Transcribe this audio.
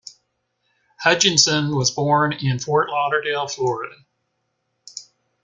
Hutchinson was born in Fort Lauderdale, Florida.